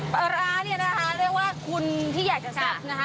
ปลาร้าเนี่ยนะคะเรียกว่าคุณที่อยากจะซับนะคะ